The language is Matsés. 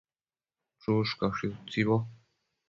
Chushcaushi utsibo